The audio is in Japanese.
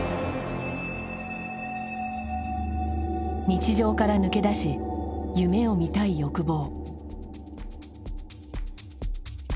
日常から抜け出し夢をみたい欲望。